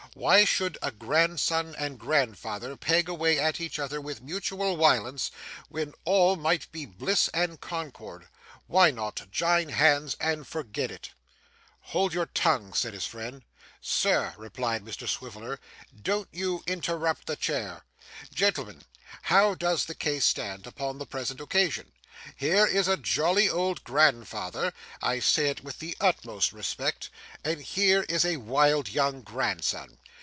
Why should a grandson and grandfather peg away at each other with mutual wiolence when all might be bliss and concord. Why not jine hands and forgit it?' 'Hold your tongue,' said his friend. 'Sir,' replied Mr Swiveller, 'don't you interrupt the chair. Gentlemen, how does the case stand, upon the present occasion? Here is a jolly old grandfather I say it with the utmost respect and here is a wild, young grandson.